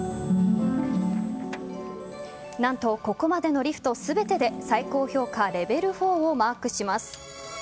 何とここまでのリフト全てで最高評価レベル４をマークします。